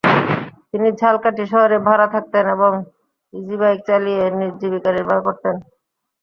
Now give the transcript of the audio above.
তিনি ঝালকাঠি শহরে ভাড়া থাকতেন এবং ইজিবাইক চালিয়ে জীবিকা নির্বাহ করতেন।